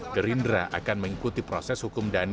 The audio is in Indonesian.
gerindra akan mengikuti proses hukum dhani